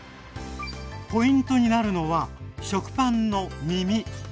ポイントになるのは食パンのみみ。